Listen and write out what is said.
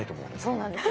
そうなんですよ。